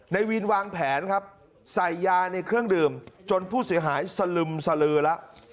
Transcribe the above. ในวินวางแผนครับใส่ยาในเครื่องดื่มจนผู้เสียหายสลึมสลือแล้ว